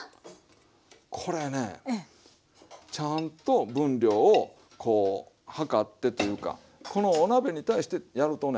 これねちゃんと分量をこう量ってというかこのお鍋に対してやるとね